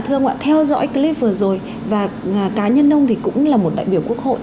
thưa ông ạ theo dõi clip vừa rồi và cá nhân ông thì cũng là một đại biểu quốc hội